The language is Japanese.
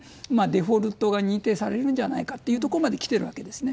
デフォルトが認定されるんじゃないかというところまで来ているわけですね。